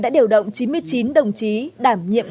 đã điều động chín mươi chín đồng chí đảm nhiệm